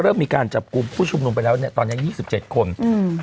เริ่มมีการจับกลุ่มผู้ชุมนุมไปแล้วเนี้ยตอนเนี้ยยี่สิบเจ็ดคนอืม